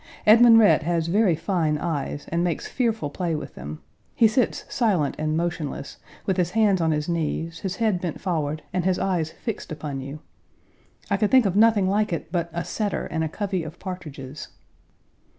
Edmund Rhett has very fine eyes and makes fearful play with them. He sits silent and motionless, with his hands on his knees, his head bent forward, and his eyes fixed upon you. I could think of nothing like it but a setter and a covey of partridges.